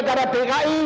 saya pilgadah dki